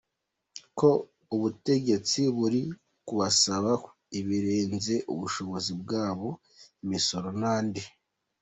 ko ubutegetsi buri kubasaba ibirenze ubushobozi bwabo, imisoro n’andi